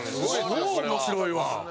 超面白いわ。